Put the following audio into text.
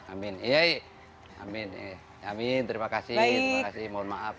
amin terima kasih